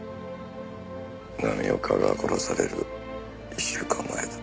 浪岡が殺される１週間前だ。